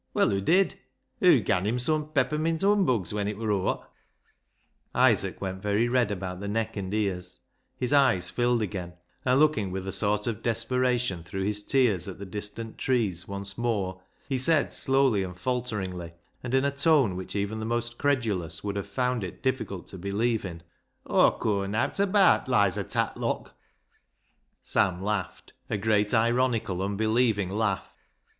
Well, hoo did. Hoo gan him some peppermint humbugs when it wur o'er." Isaac went very red about the neck and ears. His eyes filled again, and looking with a sort of desperation through his tears at the distant trees once more, he said slowly and faltcringly, and in a tone which even the most credulous would have found it difficult to believe in —" Aw cur nowt abaat Lizer Tatlock." 246 BECKSIDE LIGHTS Sam laughed — a great, ironical, unbelieving laugh.